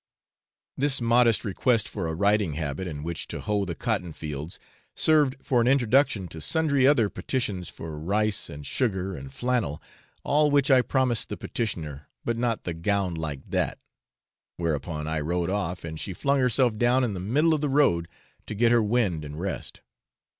This modest request for a riding habit in which to hoe the cotton fields served for an introduction to sundry other petitions for rice and sugar and flannel, all which I promised the petitioner, but not the 'gown like dat;' whereupon I rode off, and she flung herself down in the middle of the road to get her wind and rest.